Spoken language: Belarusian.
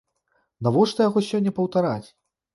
Навошта яго сёння паўтараць?